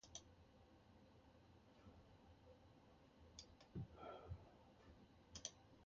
The Venezuelan government has close ties to China, as it has with Cuba.